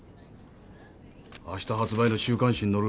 あした発売の週刊誌に載る。